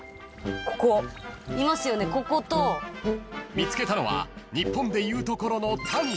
［見つけたのは日本でいうところのタニシ］